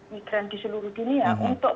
migran di seluruh dunia untuk